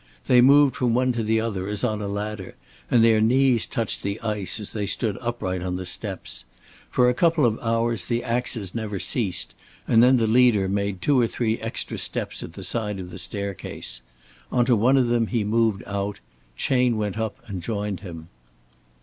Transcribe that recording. They moved from one to the other as on a ladder, and their knees touched the ice as they stood upright in the steps. For a couple of hours the axes never ceased, and then the leader made two or three extra steps at the side of the staircase. On to one of them he moved out, Chayne went up and joined him.